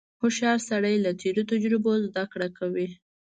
• هوښیار سړی له تېرو تجربو زدهکړه کوي.